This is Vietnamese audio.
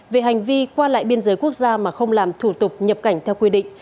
về hành vi qua lại biên giới quốc gia mà không làm thủ tục nhập cảnh theo quy định